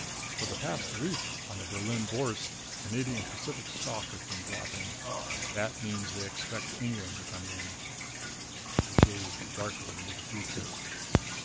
For the past week, on the Berlin Bourse, Canadian Pacific stock has been dropping. That means they expect England to come in." He gazed darkly into the future.